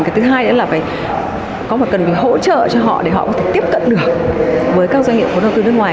cái thứ hai nữa là phải có một cần hỗ trợ cho họ để họ có thể tiếp cận được với các doanh nghiệp phố đầu tư nước ngoài